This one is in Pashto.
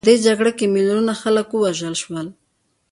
په دې جګړه کې میلیونونو خلک ووژل شول.